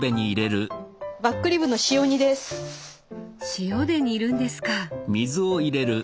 塩で煮るんですか。